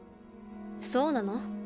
そうなの？